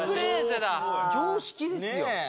常識ですよ。